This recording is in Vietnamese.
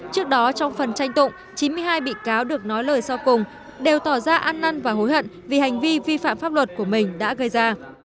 trước đó trong phần tranh tụng chín mươi hai bị cáo được nói lời sau cùng đều tỏ ra ăn năn và hối hận vì hành vi vi phạm pháp luật của mình đã gây ra